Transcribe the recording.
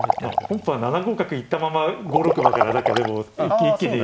本譜は７五角行ったまま５六馬から何かでも一気に。